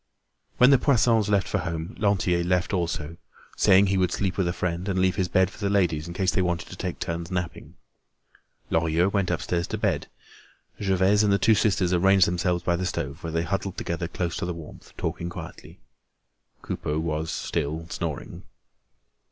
When the Poissons left for home, Lantier left also, saying he would sleep with a friend and leave his bed for the ladies in case they wanted to take turns napping. Lorilleux went upstairs to bed. Gervaise and the two sisters arranged themselves by the stove where they huddled together close to the warmth, talking quietly. Coupeau was still snoring.